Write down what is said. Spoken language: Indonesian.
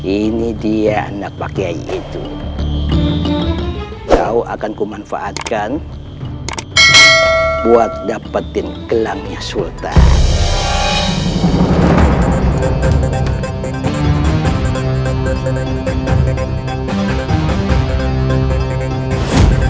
ini dia hendak pakai itu jauh akan kumanfaatkan buat dapetin gelangnya sultan